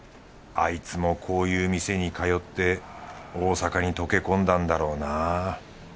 あいつもこういう店に通って大阪に溶け込んだんだろうな。